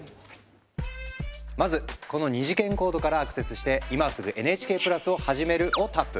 まずこの二次元コードからアクセスして「今すぐＮＨＫプラスをはじめる」をタップ。